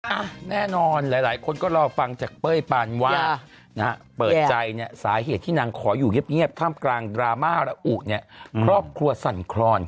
แน่นอนหลายคนก็รอฟังจากเป้ยปานว่านะฮะเปิดใจเนี่ยสาเหตุที่นางขออยู่เงียบท่ามกลางดราม่าระอุเนี่ยครอบครัวสั่นคลอน